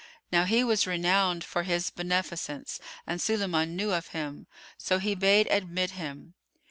Now he was renowned for his beneficence and Sulayman knew of him; so he bade admit him.